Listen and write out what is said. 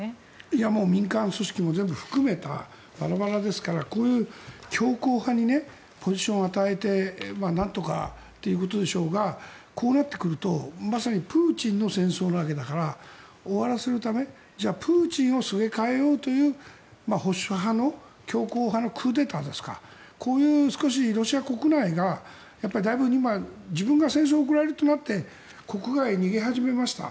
いや、民間組織も全部含めてバラバラですから。こういう強硬派にポジションを与えて何とかということでしょうがこうなってくるとまさにプーチンの戦争なわけだからプーチンをすげ替えようという保守派の強硬派のクーデターですかロシア国内が今自分が戦争に送られるとなって国外に逃げ始めた。